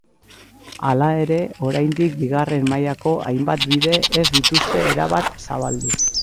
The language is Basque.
Halere, oraindik, bigarren mailako hainbat bide ez dituzte erabat zabaldu.